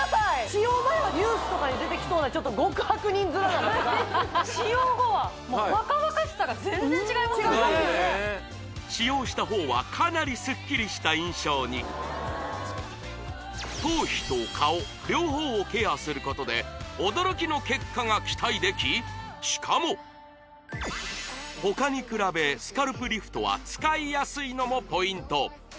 使用前はニュースとかに出てきそうなちょっと極悪人面なのが使用後はもう若々しさが全然違いますよね使用した方はかなりスッキリした印象に頭皮と顔両方をケアすることで驚きの結果が期待できしかも他に比べスカルプリフトは使いやすいのもポイント！